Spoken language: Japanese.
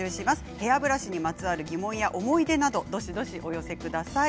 ヘアブラシにまつわる疑問や思い出などどしどしお寄せください。